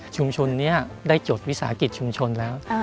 ชุมชนนี้ได้จดวิสาหกิจชุมชนแล้ว